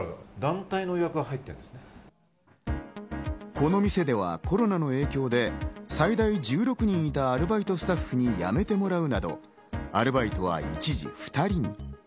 この店ではコロナの影響で最大１６人いたアルバイトスタッフに辞めてもらうなどアルバイトは一時２人に。